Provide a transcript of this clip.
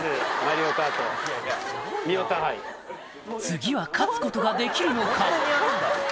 次は勝つことができるのか？